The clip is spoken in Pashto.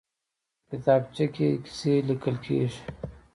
کتابچه کې قصې لیکل کېږي